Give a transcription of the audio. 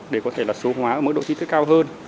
để có thể số hóa mức độ chi tiết cao hơn